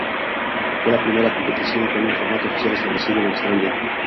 Fue la primera competición con un formato oficial establecido en Australia.